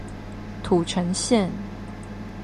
土城線